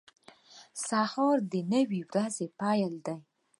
• سهار د نوې ورځې پیل دی.